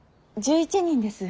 １１人です。